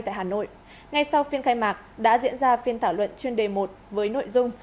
tại hà nội ngay sau phiên khai mạc đã diễn ra phiên thảo luận chuyên đề một với nội dung